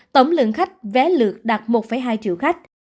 tổng lượng khách vé lượt đạt một hai triệu khách